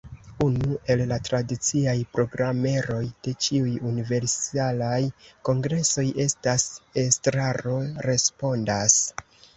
Unu el la tradiciaj programeroj de ĉiuj Universalaj Kongresoj estas ”Estraro respondas”.